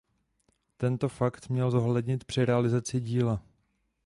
Tento fakt měl zohlednit při realizaci díla.